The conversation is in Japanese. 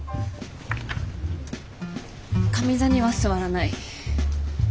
上座には座らない。